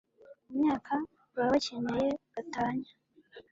mu myaka baba bakeneye gatanya